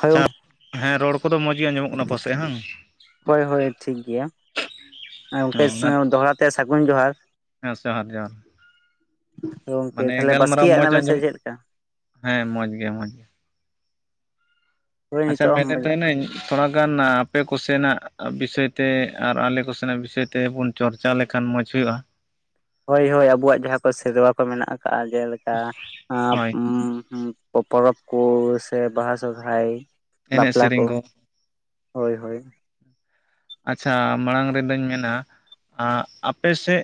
ᱦᱳᱭ ᱜᱚᱝᱠᱮ ᱦᱮᱸ ᱨᱚᱲ ᱠᱚᱫᱚ ᱢᱚᱡᱽ ᱜᱮ ᱟᱸᱡᱚᱢᱚᱜ ᱠᱟᱱᱟ ᱯᱟᱥᱮᱫ ᱦᱟᱝ? ᱦᱳᱭ ᱦᱳᱭ ᱴᱷᱤᱠ ᱜᱮᱭᱟ᱾ ᱟᱨ ᱜᱚᱝᱠᱮ ᱦᱮᱸ ᱫᱚᱦᱲᱟ ᱛᱮ ᱥᱟᱹᱜᱩᱱ ᱡᱚᱦᱟᱨ᱾ ᱡᱚᱦᱟᱨ ᱡᱚᱦᱟᱨ ᱛᱚ ᱜᱚᱝᱠᱮ ᱢᱟᱱᱮ ᱛᱟᱦᱞᱮ ᱜᱟᱞᱢᱟᱨᱟᱣ ᱵᱟᱥᱠᱮᱭᱟᱜ ᱢᱚᱸᱡᱽ ᱮᱱᱟ ᱵᱮᱱ ᱥᱮ ᱟᱸᱡᱚᱢ ᱪᱮᱫ ᱞᱮᱠᱟ? ᱦᱮᱸ ᱢᱚᱡᱽ ᱜᱮᱭᱟ ᱢᱚᱡᱽ ᱜᱮ᱾ ᱦᱳᱭ ᱟᱪᱪᱷᱟ ᱱᱤᱛᱚᱜ ᱢᱮᱱᱮᱫ ᱛᱟᱦᱮᱱᱟᱹᱧ ᱛᱷᱚᱲᱟᱜᱟᱱ ᱟᱯᱮ ᱠᱚᱥᱮᱱᱟᱜ ᱵᱤᱥᱚᱭ ᱛᱮ ᱟᱨ ᱟᱞᱮ ᱠᱚᱥᱮᱱᱟᱜ ᱵᱤᱥᱚᱭ ᱛᱮᱵᱚᱱ ᱪᱚᱨᱪᱟ ᱞᱮᱠᱷᱟᱱ ᱢᱚᱡᱽ ᱦᱩᱭᱩᱜᱼᱟ᱾ ᱦᱳᱭ ᱦᱳᱭ ᱟᱵᱚᱣᱟᱜ ᱡᱟᱦᱟᱸ ᱠᱚ ᱥᱮᱨᱣᱟ ᱠᱚ ᱢᱮᱱᱟᱜ ᱟᱠᱟᱜ ᱡᱮᱞᱮᱠᱟ ᱟᱸ, ᱦᱳᱭ ᱩᱸ, ᱦᱩᱸ᱾ ᱯᱚᱨᱚᱵᱽ ᱠᱚ ᱥᱮ ᱵᱟᱦᱟ ᱥᱚᱨᱦᱟᱭ ᱮᱱᱮᱡ ᱵᱟᱯᱞᱟ ᱠᱚ ᱥᱮᱨᱮᱧ ᱦᱳᱭ ᱦᱳᱭ᱾ ᱟᱪᱷᱟ, ᱢᱟᱲᱟᱝ ᱨᱮᱫᱚᱧ ᱢᱮᱱᱟ ᱟᱸᱜ ᱟᱯᱮ ᱥᱮᱫ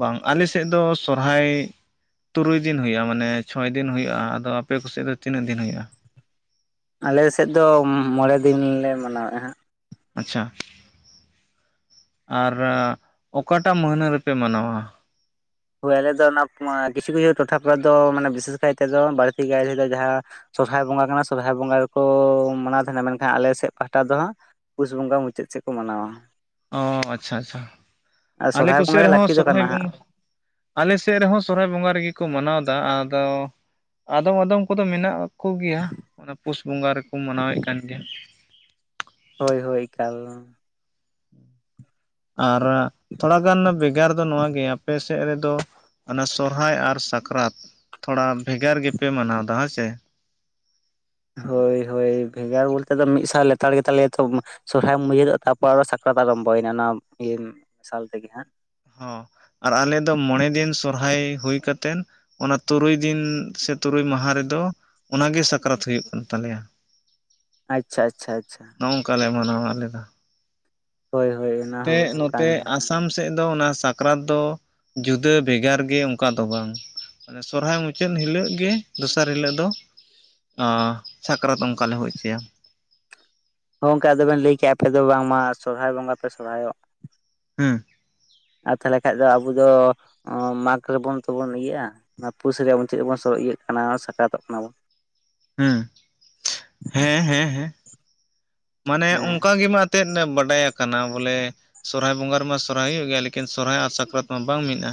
ᱵᱟᱝ, ᱟᱞᱮᱥᱮᱫ ᱫᱚ ᱥᱚᱨᱦᱟᱭ ᱛᱩᱨᱩᱭ ᱫᱤᱱ ᱦᱩᱭᱩᱜᱼᱟ ᱢᱟᱱᱮ ᱪᱷᱚᱭ ᱫᱤᱱ ᱦᱩᱭᱩᱜᱼᱟ ᱟᱫᱚ ᱟᱯᱮ ᱠᱚᱥᱮᱫ ᱫᱚ ᱛᱤᱱᱟᱹᱜ ᱫᱤᱱ ᱦᱩᱭᱩᱜᱼᱟ? ᱟᱞ ᱥᱮᱫ ᱫᱚ ᱢᱚᱬᱮ ᱫᱤᱱ ᱞᱮ ᱢᱟᱱᱟᱣᱮᱜ-ᱟ ᱦᱟᱸᱜ᱾ ᱟᱪᱷᱟ ᱟᱨ ᱚᱠᱟᱴᱟᱜ ᱢᱟᱹᱦᱱᱟᱹ ᱨᱮᱯᱮ ᱢᱟᱱᱟᱣᱟ? ᱦᱳᱭ ᱟᱞᱮᱫᱚ ᱚᱱᱟ ᱠᱤᱪᱷᱩ ᱠᱤᱪᱷᱩ ᱠᱤᱪᱷᱩ ᱠᱤᱪᱷᱩ ᱴᱚᱴᱷᱟ ᱠᱚᱨᱮ ᱫᱚ ᱢᱟᱱᱮ ᱵᱤᱥᱮᱥ ᱠᱟᱭᱛᱮ ᱫᱚ ᱵᱟᱹᱲᱛᱤ ᱠᱟᱭᱛᱮ ᱫᱚ ᱡᱟᱦᱟᱸ ᱥᱚᱨᱦᱟᱭ ᱵᱚᱸᱜᱟ ᱠᱟᱱᱟ ᱥᱚᱨᱦᱟᱭ ᱵᱚᱸᱜᱟ ᱨᱮᱠᱚ ᱢᱟᱱᱟᱣ ᱛᱟᱦᱮᱱᱟ ᱢᱮᱱᱠᱷᱟᱱ ᱟᱞᱮ ᱥᱮᱫ ᱯᱟᱦᱴᱟ ᱫᱚ ᱦᱟᱸᱜ ᱯᱩᱥ ᱵᱚᱸᱜᱟ ᱢᱩᱪᱟᱹᱫ ᱥᱮᱫ ᱠᱚ ᱢᱟᱱᱟᱣᱟ ᱚ ᱟᱪᱷᱟ ᱟᱪᱷᱟ ᱟᱨ ᱟᱞᱮ ᱥᱚᱨᱦᱟᱭ ᱵᱚᱸᱜᱟ ᱠᱚᱥᱮᱫ ᱜᱮ ᱨᱮᱦᱚᱸ ᱞᱟᱹᱠᱛᱤ ᱫᱚ ᱥᱚᱨᱦᱟᱭ ᱠᱟᱱᱟ ᱦᱟᱸᱜ ᱵᱚᱸᱜᱟ ᱟᱞᱮ ᱥᱮᱫ ᱨᱮᱦᱚᱸ ᱥᱚᱨᱚᱦᱟᱭ ᱵᱚᱸᱜᱟ ᱨᱮᱜᱮ ᱠᱚ ᱢᱟᱱᱟᱣᱫᱟ ᱟᱫᱚ ᱟᱫᱚᱢ ᱟᱫᱚᱢ ᱠᱚᱫᱚ ᱢᱮᱱᱟᱜ ᱠᱚᱜᱮᱭᱟ ᱚᱱᱟ ᱯᱩᱥ ᱵᱚᱸᱜᱟ ᱨᱮᱠᱚ ᱢᱟᱱᱟᱣᱮᱫ ᱠᱟᱱ ᱜᱮᱭᱟ᱾ ᱦᱳᱭ ᱦᱳᱭ ᱮᱠᱟᱞ᱾ ᱟᱨ ᱛᱷᱚᱲᱟᱜᱟᱱ ᱵᱷᱮᱜᱟᱨ ᱫᱚ ᱱᱚᱣᱟ ᱜᱮ ᱟᱯᱮ ᱥᱮᱫ ᱨᱮᱫᱚ ᱚᱱᱟ ᱥᱚᱨᱦᱟᱭ ᱟᱨ ᱥᱟᱠᱨᱟᱛ ᱛᱷᱚᱲᱟ ᱵᱷᱮᱜᱟᱨ ᱜᱮᱯᱮ ᱢᱟᱱᱟᱣᱫᱟ ᱦᱮᱸ ᱥᱮ? ᱦᱳᱭ ᱦᱳᱭ ᱵᱷᱮᱜᱟᱨ ᱵᱚᱞᱛᱮ ᱫᱚ ᱢᱤᱫ ᱥᱟ ᱞᱮᱛᱟᱲ ᱜᱮᱛᱟᱞᱮᱭᱟ ᱛᱚ᱾ ᱥᱚᱨᱚᱦᱟᱭᱮᱢ ᱢᱩᱪᱟᱹᱫ ᱚᱜᱼᱟ ᱛᱟᱨᱯᱚᱨ ᱟᱨᱚ ᱥᱟᱠᱨᱟᱛ ᱟᱨᱚᱢᱵᱷᱚᱭᱮᱱᱟ ᱚᱱᱟ ᱤᱭᱟᱹ ᱥᱟᱞ ᱛᱮᱜᱮ ᱦᱟᱸᱜ᱾ ᱦᱚᱸ ᱟᱨ ᱟᱞᱮ ᱫᱚ ᱢᱚᱬᱮ ᱫᱤᱱ ᱥᱚᱨᱦᱟᱭ ᱦᱩᱭ ᱠᱟᱛᱮᱱ ᱚᱱᱟ ᱛᱩᱨᱩᱭ ᱫᱤᱱ ᱥᱮ ᱛᱩᱨᱩᱭ ᱢᱟᱦᱟ ᱨᱮᱫᱚ ᱚᱱᱟᱜᱮ ᱥᱟᱠᱨᱟᱛ ᱦᱩᱭᱩᱜ ᱠᱟᱱ ᱛᱟᱞᱮᱭᱟ ᱟᱪᱷᱟ ᱟᱪᱷᱟ ᱟᱪᱷᱟ᱾ ᱱᱚᱜ-ᱚᱝᱠᱟ ᱞᱮ ᱢᱟᱱᱟᱣᱟ ᱟᱞᱮᱫᱚ᱾ ᱦᱳᱭ᱾ ᱦᱳᱭ ᱚᱱᱟ ᱱᱚᱛᱮ ᱦᱚᱸ ᱠᱟᱱ ᱱᱚᱛᱮ ᱜᱮᱭᱟ ᱟᱥ ᱟᱥᱟᱢ ᱥᱮᱫ ᱫᱚ ᱚᱱᱟ ᱥᱟᱠᱨᱟᱛ ᱫᱚ ᱡᱩᱫᱟᱹ ᱵᱷᱮᱜᱟᱨ ᱜᱮ ᱚᱝᱠᱟ ᱫᱚ ᱵᱟᱝ᱾ ᱢᱟᱱᱮ ᱥᱚᱨᱦᱟᱭ ᱢᱩᱪᱟᱹᱫ ᱦᱤᱞᱳᱜ ᱜᱮ ᱫᱚᱥᱟᱨ ᱦᱤᱞᱟᱹᱜ ᱫᱚ ᱚ, ᱥᱟᱠᱨᱟᱛ ᱚᱝᱠᱟ ᱞᱮ ᱦᱩᱭ ᱦᱚᱪᱚᱭᱟ᱾ ᱦᱚᱸ ᱜᱚᱝᱠᱮ ᱟᱫᱚᱵᱮᱱ ᱞᱟᱹᱭ ᱠᱮᱜᱼᱟ ᱟᱯᱮ ᱫᱚ ᱵᱟᱝᱢᱟ ᱥᱚᱨᱦᱟᱭ ᱵᱚᱸᱜᱟ ᱯᱮ ᱥᱚᱨᱦᱟᱭᱚᱜ᱾ ᱦᱩᱸ᱾ ᱟᱨ ᱛᱟᱦᱞᱮ ᱠᱷᱟᱡ ᱫᱚ ᱟᱵᱚ ᱫᱚ ᱚ, ᱢᱟᱜᱽ ᱨᱮᱵᱚᱱ ᱛᱵᱚᱱ ᱤᱭᱟᱹᱜᱼᱟ, ᱱᱚᱣᱟ ᱯᱩᱥ ᱨᱮᱭᱟᱜ ᱪᱮᱫᱵᱚᱱ ᱤᱭᱟᱹᱜ ᱠᱟᱱᱟ ᱥᱟᱠᱨᱟᱛᱚᱜ ᱠᱟᱱᱟ ᱵᱚᱱ᱾ ᱦᱩᱸ, ᱦᱮᱸ ᱦᱮᱸ ᱦᱮᱸ ᱢᱟᱱᱮ ᱦᱮᱸ ᱚᱝᱠᱟ ᱜᱮᱢᱟ ᱛᱮᱫ [unintelligible] ᱵᱟᱰᱟᱭ ᱟᱠᱟᱱᱟ ᱵᱚᱞᱮ ᱥᱚᱨᱦᱟᱭ ᱵᱚᱸᱜᱟ ᱨᱮᱢᱟ ᱥᱚᱨᱦᱟᱭ ᱦᱩᱭᱩᱜ ᱜᱮᱭᱟ ᱞᱮᱠᱤᱱ ᱥᱚᱨᱦᱟᱭ ᱟᱨ ᱥᱟᱠᱨᱟᱛ ᱢᱟ ᱵᱟᱝ ᱢᱤᱫ-ᱟ,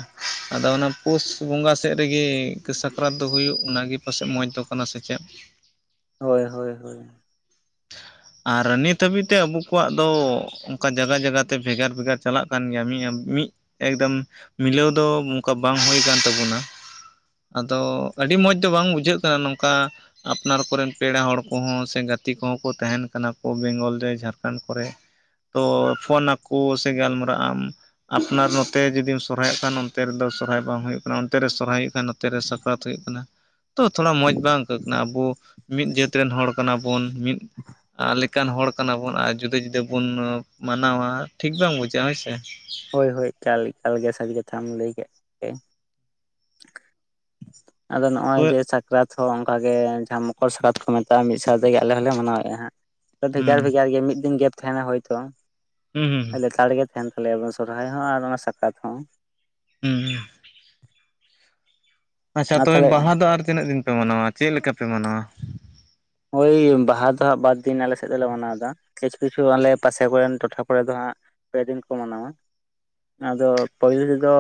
ᱟᱫᱚ ᱚᱱᱟ ᱯᱩᱥ ᱵᱚᱸᱜᱟ ᱥᱮᱫ ᱨᱮᱜᱮ ᱥᱟᱠᱨᱟᱛ ᱫᱚ ᱦᱩᱭᱩᱜ ᱚᱱᱟᱜᱮ ᱯᱟᱥᱮᱡ ᱢᱚᱸᱡᱽ ᱫᱚ ᱠᱟᱱᱟ ᱥᱮ ᱪᱮᱫ᱾ ᱦᱳᱭ ᱦᱳᱭ ᱦᱳᱭ ᱟᱨ ᱱᱤᱛ ᱦᱟᱹᱵᱤᱡ ᱛᱮ ᱟᱵᱚ ᱠᱚᱣᱟᱜ ᱫᱚ ᱚᱱᱠᱟ ᱡᱟᱜᱟ ᱡᱟᱜᱟᱛᱮ ᱵᱷᱮᱜᱟᱨ ᱵᱷᱮᱜᱟᱨ ᱪᱟᱞᱟᱜ ᱠᱟᱱ ᱜᱮᱭᱟ ᱢᱤᱫ ᱢᱤᱫ ᱮᱠᱫᱚᱢ ᱢᱤᱞᱟᱹᱣ ᱫᱚ ᱚᱱᱠᱟ ᱵᱟᱝ ᱦᱩᱭ ᱠᱟᱱ ᱛᱟᱵᱚᱱᱟ᱾ ᱟᱫᱚ, ᱟᱹᱰᱤ ᱢᱚᱡᱽ ᱫᱚ ᱵᱟᱝ ᱵᱩᱡᱷᱟᱹᱜ ᱠᱟᱱᱟ ᱱᱚᱝᱠᱟ ᱟᱯᱱᱟᱨ ᱠᱚᱨᱮᱱ ᱯᱮᱲᱟ ᱦᱚᱲ ᱠᱚᱦᱚᱸ ᱥᱮ ᱜᱟᱛᱮ ᱛᱮ ᱠᱚᱦᱚᱸ ᱠᱚ ᱛᱟᱦᱮᱱ ᱠᱟᱱᱟ ᱠᱚ ᱵᱮᱝᱜᱚᱞ ᱨᱮ ᱡᱷᱟᱨᱠᱟᱸᱰ ᱠᱚᱨᱮ ᱛᱚ ᱯᱷᱳᱱᱟᱠᱚ ᱥᱮ ᱜᱟᱞᱢᱟᱨᱟᱜ ᱟᱢ ᱟᱯᱱᱟᱨ ᱱᱚᱛᱮ ᱡᱩᱫᱤᱢ ᱥᱚᱨᱦᱟᱭᱚᱜ ᱠᱷᱟᱱ ᱚᱱᱛᱮ ᱨᱮᱫᱚ ᱥᱚᱨᱦᱟᱭ ᱵᱟᱝ ᱦᱩᱭᱩᱜ ᱠᱟᱱᱟ ᱚᱱᱛᱮ ᱨᱮ ᱥᱚᱨᱦᱟᱭ ᱦᱩᱭᱩᱜ ᱠᱷᱟᱱ ᱚᱱᱛᱮᱨᱮ ᱥᱟᱠᱨᱟᱛ ᱦᱩᱭᱩᱜ ᱠᱟᱱᱟ ᱛᱚ ᱛᱷᱚᱲᱟ ᱢᱚᱸᱡᱽ ᱵᱟᱝ ᱟᱹᱭᱠᱟᱹᱜ ᱠᱟᱱᱟ ᱟᱵᱚ ᱢᱤᱫ ᱡᱟᱹᱛ ᱨᱮᱱ ᱦᱚᱲ ᱠᱟᱱᱟ ᱵᱚᱱ ᱢᱤᱫ ᱟᱞᱮᱠ ᱠᱟᱱ ᱦᱚᱲ ᱠᱟᱱᱟ ᱵᱚᱱ ᱟᱨ ᱡᱩᱫᱟᱹ ᱡᱩᱫᱟᱹ ᱵᱚᱱ ᱢᱟᱱᱟᱣᱟ ᱴᱷᱤᱠ ᱵᱟᱝ ᱵᱩᱡᱷᱟᱹᱜ-ᱟ᱾ ᱦᱳᱭᱥᱮ? ᱦᱳᱭ ᱦᱳᱭ ᱮᱠᱟᱞ ᱮᱠᱟᱞᱜᱮ ᱥᱟᱹᱨᱤ ᱠᱟᱛᱷᱟᱢ ᱞᱟᱹᱭ ᱠᱮᱫ [unintelligible] ᱟᱫᱚ ᱱᱚᱜᱼᱚᱭ ᱛᱚᱵᱮ ᱡᱮ ᱥᱟ ᱨᱟᱛ ᱦᱚᱸ ᱚᱱᱠᱟ ᱜᱮ ᱡᱟᱦᱟᱸ ᱢᱚᱠᱚᱨ ᱥᱟᱠᱨᱟᱛ ᱠᱚ ᱢᱮᱛᱟᱜᱼᱟ ᱢᱤᱫ ᱥᱟᱶᱛᱮᱜ ᱟᱞᱮ ᱦᱚᱸᱞᱮ ᱢᱟᱱᱟᱣᱮᱫᱼᱟ ᱦᱟᱸᱜ᱾ ᱦᱩᱸ ᱵᱷᱮᱜᱟᱨ ᱵᱷᱮᱜᱟᱨ ᱜᱮ ᱢᱤᱫ ᱫᱤᱱ ᱜᱮᱯ ᱛᱟᱦᱮᱱᱟ ᱦᱳᱭᱛᱳ ᱦᱩᱸ ᱦᱩᱸ ᱞᱮᱛᱟᱲ ᱜᱮ ᱛᱟᱦᱮᱱ ᱛᱟᱞᱮᱭᱟ [unintelligible] ᱥᱚᱨᱦᱟᱭ ᱦᱚᱸ ᱟᱨ ᱚᱱᱟ ᱥᱟᱠᱨᱟᱛ ᱦᱚᱸ᱾ ᱦᱩᱸ ᱟᱪᱪᱷᱟ ᱟᱨ ᱛᱚᱵᱮ ᱛᱟᱦᱚᱞᱮ ᱵᱟᱦᱟ ᱫᱚ ᱟᱨ ᱛᱤᱱᱟᱹᱜ ᱫᱤᱱ ᱯᱮ ᱢᱟᱱᱟᱣᱟ ᱪᱮᱫ ᱞᱮᱠᱟ ᱯᱮ ᱢᱟᱱᱟᱣᱟ? ᱦᱳᱭ ᱵᱟᱦᱟ ᱫᱚ ᱵᱟᱨ ᱫᱤᱱ ᱟᱞᱮ ᱥᱮᱫ ᱫᱚᱞᱮ ᱢᱟᱱᱟᱣ ᱮᱫᱟ᱾ ᱠᱤᱪᱷᱩ ᱠᱤᱪᱷᱩ ᱟᱞᱮ ᱯᱟᱥᱮ ᱠᱚᱨᱮᱱ ᱴᱚᱴᱷᱟ ᱠᱚᱨᱮ ᱫᱚ ᱦᱟᱸᱜ ᱯᱮ ᱫᱤᱱ ᱠᱚ ᱢᱟᱱᱟᱣᱟ᱾ ᱟᱫᱚ, ᱯᱟᱹᱦᱤᱞ ᱫᱚ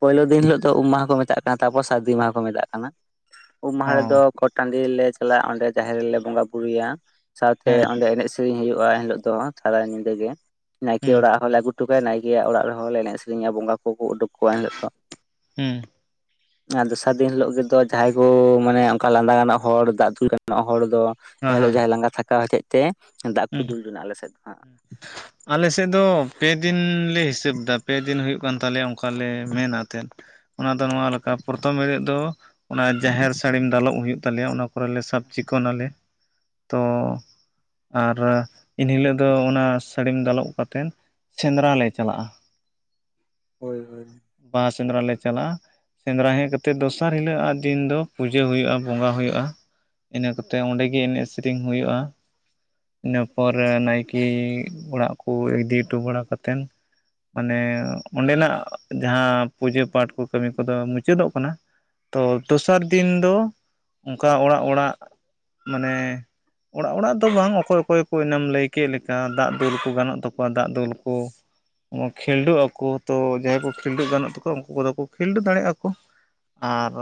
ᱯᱳᱭᱞᱳ ᱫᱤᱱ ᱦᱤᱞᱳᱜ ᱫᱚ ᱩᱢ ᱢᱟᱦᱟ ᱠᱚ ᱢᱮᱛᱟᱜ ᱠᱟᱱᱟ ᱛᱟᱨᱯᱚᱨ ᱥᱟᱹᱨᱫᱤ ᱢᱟᱦᱟ ᱠᱚ ᱢᱮᱛᱟᱜ ᱠᱟᱱᱟ᱾ ᱩᱢ ᱢᱟᱦᱟ ᱨᱮᱫᱚ ᱚ ᱜᱚᱴ ᱴᱟᱺᱰᱤ ᱞᱮ ᱪᱟᱞᱟᱜ-ᱟ ᱚᱸᱰᱮ ᱡᱟᱦᱮᱨ ᱨᱮᱞᱮ ᱵᱚᱸᱜᱟ ᱵᱩᱨᱩᱭᱟ ᱥᱟᱶᱛᱮ ᱦᱮᱸ ᱚᱸᱰᱮ ᱮᱱᱮᱡ ᱥᱮ ᱥᱮᱤᱨᱤᱧ ᱦᱩᱭᱩᱜ-ᱟ ᱮᱱ ᱦᱤᱞᱳᱜ ᱫᱚ ᱥᱟᱨᱟ ᱧᱤᱫᱟᱹ ᱜᱮ ᱱᱟᱭᱠᱮ ᱦᱩᱸ ᱚᱲᱟᱜ ᱦᱚᱸ ᱞᱮ ᱟᱹᱜᱩᱩᱴᱩ ᱩᱴᱩᱠᱟᱭ ᱱᱟᱭᱠᱮᱭᱟᱜ ᱚᱲᱟᱜ ᱨᱮᱦᱚᱸ ᱮᱱᱮᱡ ᱥᱮᱨᱮᱧᱟ ᱵᱚᱸᱜᱟ ᱠᱚᱠᱚ ᱩᱰᱩᱠ ᱠᱚᱣᱟ ᱮᱱᱤᱞᱳᱜ ᱫᱚ᱾ ᱦᱩᱸ ᱟ ᱫᱚᱥᱟᱨ ᱫᱤᱱ ᱦᱤᱞᱳᱜ ᱨᱮ ᱫᱚ ᱡᱟᱦᱟᱸᱭ ᱠᱚ ᱢᱟᱱᱮ ᱚᱱᱠᱟ ᱞᱟᱸᱫᱟ ᱜᱟᱱᱚᱜ ᱦᱚᱲ ᱫᱟᱜ ᱫᱩᱞ ᱜᱟᱱᱚᱜ-ᱟ ᱦᱚᱲ ᱫᱚ ᱦᱮᱸ ᱦᱮᱸ ᱮᱱᱦᱤᱞᱳᱜ ᱡᱟᱦᱟᱸᱭ ᱞᱟᱸᱜᱟ ᱛᱷᱟᱠᱟᱣ ᱦᱚᱪᱮᱡ ᱛᱮ ᱫᱟᱜ ᱠᱚ ᱦᱩᱸ ᱫᱩᱞ ᱡᱚᱱᱟᱜ ᱟᱞᱮᱥᱮᱫ ᱫᱚ ᱦᱟᱸᱜ᱾ ᱟᱞᱮ ᱥᱮᱫ ᱫᱚ ᱯᱮ ᱫᱤᱱ ᱞᱮ ᱦᱤᱥᱟᱹᱵᱽ ᱫᱟ, ᱯᱮ ᱫᱤᱱ ᱦᱩᱭᱩᱜ ᱠᱟᱱ ᱛᱟᱞᱮᱭᱟ ᱚᱱ ᱚᱠᱟᱞᱮ ᱢᱮᱱᱟᱛᱮᱫ ᱚᱱᱟ ᱫᱚ ᱱᱚᱣᱟ ᱞᱮᱠᱟ ᱯᱨᱚᱛᱷᱚᱢ ᱦᱤᱞᱳᱜ ᱫᱚ ᱚᱱᱟ ᱡᱟᱦᱮᱨ ᱥᱟᱹᱲᱤᱢ ᱫᱟᱞᱚᱵ ᱦᱩᱭᱩᱜ ᱛᱟᱞᱮᱭᱟ ᱚᱱᱟ ᱠᱚᱨᱮᱞᱮ ᱥᱟᱵ ᱪᱤᱠᱚᱱᱟᱞᱮ, ᱛᱚ ᱟᱨ ᱮᱱᱦᱤᱞᱚᱜ ᱫᱚ ᱚᱱᱟ ᱥᱟᱹᱲᱤᱢ ᱫᱟᱞᱚᱵ ᱠᱟᱛᱮᱫ ᱥᱮᱸᱫᱽᱨᱟ ᱞᱮ ᱪᱟᱞᱟᱜ-ᱟ᱾ ᱦᱳᱭ ᱦᱳᱭ ᱵᱟᱦᱟ ᱥᱮᱸᱫᱽᱨᱟ ᱞᱮ ᱪᱟᱞᱟᱜ-ᱟ, ᱥᱮᱸᱫᱽᱨᱟ ᱦᱮᱡ ᱠᱟᱛᱮᱫ ᱫᱚᱥᱟᱨ ᱦᱤᱞᱳᱜ ᱟᱜ ᱫᱤᱱ ᱫᱚ ᱯᱩᱡᱟᱹ ᱦᱩᱭᱩᱜ-ᱟ ᱵᱚᱸᱜᱟ ᱦᱩᱭᱩᱜ-ᱟ᱾ ᱤᱱᱟᱹ ᱠᱚᱛᱮ ᱚᱸᱰᱮ ᱜᱮ ᱮᱱᱮᱡ ᱥᱮᱨᱮᱧ ᱦᱩᱭᱩᱜ-ᱟ᱾ ᱤᱱᱟᱹ ᱯᱚᱨᱮ ᱱᱟᱭᱠᱮ ᱚᱲᱟᱜ ᱠᱚ ᱤᱫᱤ ᱚᱴᱚ ᱵᱟᱲᱟ ᱠᱟᱛᱮᱱ ᱢᱟᱱᱮ ᱚᱸᱰᱮᱱᱟᱜ ᱡᱟᱦᱟᱸ ᱯᱩᱡᱟᱹ ᱯᱟᱴ ᱠᱚ ᱠᱟᱹᱢᱤ ᱠᱚᱫᱚ ᱢᱩᱪᱟᱹᱫᱚᱜ ᱠᱟᱱᱟ᱾ ᱛᱚ ᱫᱚᱥᱟᱨ ᱫᱤᱱ ᱫᱚ ᱚᱱᱠᱟ ᱚᱲᱟᱜ ᱚᱲᱟᱜ ᱢᱟᱱᱮ ᱚᱲᱟᱜ ᱚᱲᱟᱜ ᱫᱚ ᱵᱟᱝ ᱚᱠᱚᱭ ᱚᱠᱚᱭ ᱠᱚ ᱮᱱᱟᱢ ᱞᱟᱹᱭ ᱠᱮᱫ ᱞᱮᱠᱟ ᱫᱟᱜ ᱫᱩᱞ ᱠᱚ ᱜᱟᱱᱚᱜ ᱛᱟᱠᱚᱣᱟ ᱫᱟᱜ ᱫᱩᱞ ᱠᱚ ᱠᱷᱤᱞᱰᱩᱜ ᱟᱠᱚ ᱛᱚ ᱡᱟᱦᱟᱸᱭ ᱠᱚ ᱠᱷᱤᱞᱰᱩ ᱜᱟᱱᱚᱜ ᱛᱟᱠᱚᱣᱟ ᱩᱱᱠᱩ ᱠᱚᱫᱚ ᱠᱚ ᱠᱷᱤᱞᱰᱩ ᱫᱟᱲᱮᱜ ᱟᱠᱚ, ᱟᱨ